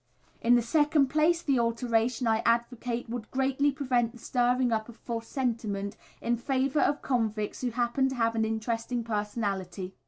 In the second place, the alteration I advocate would greatly prevent the stirring up of false sentiment in favour of convicts who happen to have an interesting personality.